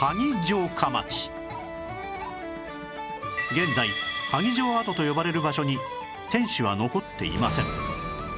現在萩城跡と呼ばれる場所に天守は残っていません